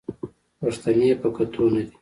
پښتنې په کتو نه دي